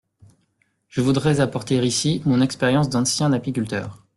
Je voudrais apporter ici mon expérience d’ancien apiculteur.